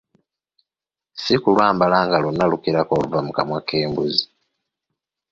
Si kulwambala nga lwonna lukirako oluva mu kamwa k'embuzi !